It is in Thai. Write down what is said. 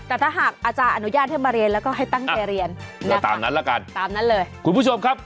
แต่ถ้าหากอาจารย์อนุญาตให้มาเรียนแล้วก็ให้ตั้งใจเรียนก็ตามนั้นละกันตามนั้นเลยคุณผู้ชมครับ